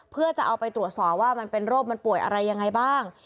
เพื่อจะเอาไปตรวจสอบว่ามันเป็นโรคมันป่วยอะไรยังไงบ้าง